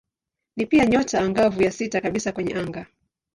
Ni pia nyota angavu ya sita kabisa kwenye anga.